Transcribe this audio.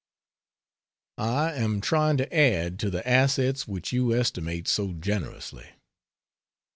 I am trying to add to the "assets" which you estimate so generously.